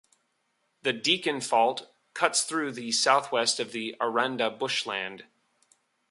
The Deakin Fault cuts through the south west of the Aranda Bushland.